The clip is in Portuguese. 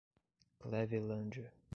Clevelândia